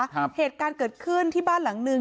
เหตุการณ์เกิดขึ้นที่บ้านหลังนึง